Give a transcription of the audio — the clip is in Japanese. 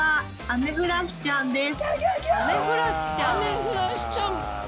アメフラシちゃん！